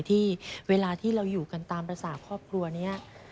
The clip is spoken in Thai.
ที่เวลาที่เราอยู่กันตามภาษาครอบครัวนี้